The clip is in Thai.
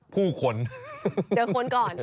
ผู้คนเจอคนก่อน